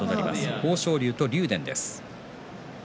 豊昇龍と竜電です。